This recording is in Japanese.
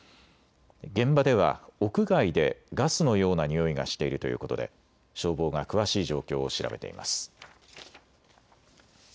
現場では屋外でガスのようなにおいがしているということで消防が詳しい状況を調べています。